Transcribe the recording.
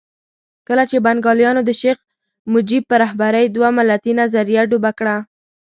کله چې بنګالیانو د شیخ مجیب په رهبرۍ دوه ملتي نظریه ډوبه کړه.